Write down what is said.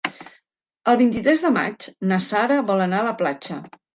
El vint-i-tres de maig na Sara vol anar a la platja.